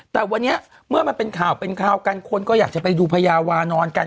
แต่วันนี้เมื่อมันเป็นข่าวเป็นข่าวกันคนก็อยากจะไปดูพญาวานอนกัน